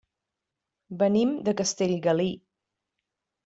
Venim de Castellgalí.